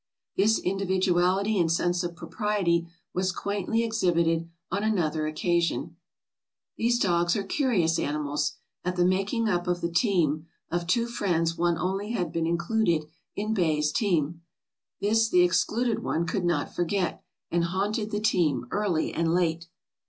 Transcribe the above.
This individuality and sense of propriety was quaintly exhibited on another occasion. "These dogs are curious animals. At the making up of the teams, of two friends one only had been included in Bay's team. This the excluded one could not forget, and haunted the team, early and late.